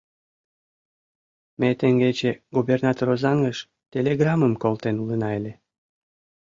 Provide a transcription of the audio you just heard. Ме теҥгече губернатор Озаҥыш телеграммым колтен улына ыле.